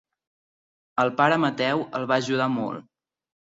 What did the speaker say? El pare Mateu el va ajudar molt.